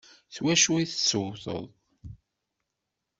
S wacu ay tettewteḍ?